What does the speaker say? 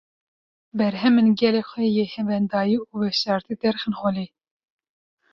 berhemên gelê xwe yê wendayî û veşartî derxin holê.